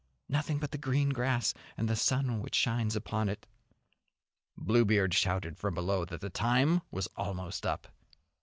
Nothing but the green grass, and the sun which shines upon it." Bluebeard shouted from below that the time was almost up.